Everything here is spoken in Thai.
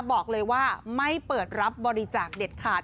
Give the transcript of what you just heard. บอกเลยว่าไม่เปิดรับบริจาคเด็ดขาด